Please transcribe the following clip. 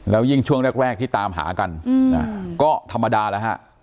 ยิ่งช่วงแรกที่ตามหากันก็ธรรมดาแล้วฮะ